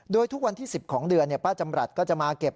โดยทุกวันที่๑๐ของเดือนเนี่ย